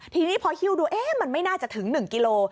ทีนี้พอหิ้วดูมันไม่น่าจะถึง๑กิโล